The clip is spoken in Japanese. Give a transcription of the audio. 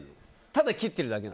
ただ切ってるだけ？